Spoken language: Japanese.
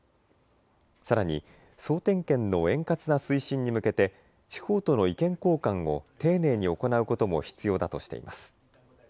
さらに総点検の円滑な推進に向けて地方との意見交換を丁寧に行うことも必要だとしています。